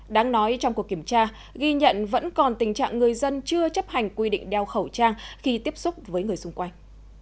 đáng nói trong cuộc kiểm tra ghi nhận vẫn còn tình trạng người dân chưa chấp hành quy định đeo khẩu trang khi tiếp xúc với người xung quanh